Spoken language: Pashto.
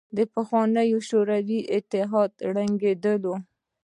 د پخواني شوروي اتحاد له ړنګېدو